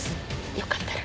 よかったら。